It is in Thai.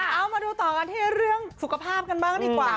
เอามาดูต่อกันที่เรื่องสุขภาพกันบ้างดีกว่า